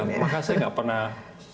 makanya saya gak pernah